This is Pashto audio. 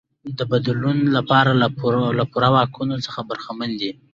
د بدلون لپاره له پوره واکونو څخه برخمن دی.